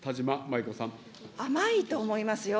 甘いと思いますよ。